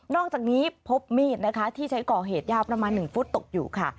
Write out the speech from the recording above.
อกจากนี้พบมีดนะคะที่ใช้ก่อเหตุยาวประมาณ๑ฟุตตกอยู่ค่ะ